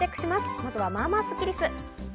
まずは、まあまあスッキりす。